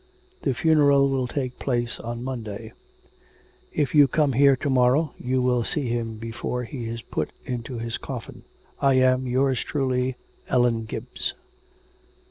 'The funeral will take place on Monday. If you come here to morrow, you will see him before he is put into his coffin. I am, yours truly, 'ELLEN GIBBS.'